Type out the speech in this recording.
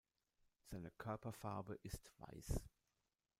Seine Körperfarbe ist weiß.